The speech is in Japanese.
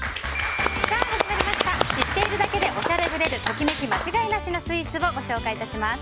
知っているだけでおしゃれぶれるときめき間違いなしのスイーツをご紹介致します。